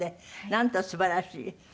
なんとすばらしい。